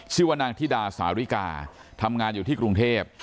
ชื่อว่านางธิดาสาวิกาทำงานอยู่ที่กรุงเทพ